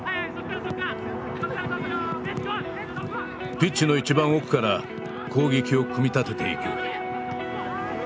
ピッチの一番奥から攻撃を組み立てていく。